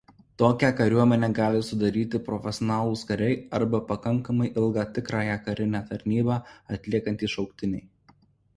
Tokią kariuomenę gali sudaryti profesionalūs kariai arba pakankamai ilgą tikrąją karinę tarnybą atliekantys šauktiniai.